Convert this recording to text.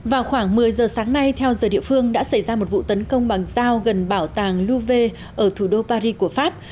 vào khoảng một mươi giờ sáng nay theo giờ địa phương đã xảy ra một vụ tấn công bằng dao gần bảo tàng louve ở thủ đô paris của pháp